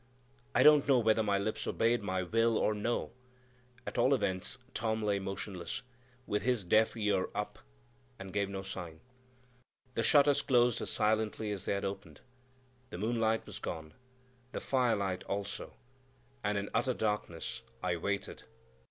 I don't know whether my lips obeyed my will or no; at all events, Tom lay motionless, with his deaf ear up, and gave no sign. The shutters closed as silently as they had opened; the moonlight was gone, the firelight also, and in utter darkness I waited.